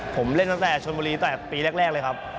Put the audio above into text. ผมเล่นตั้งแต่ชนบุรีตั้งแต่ปีแรกเลยครับ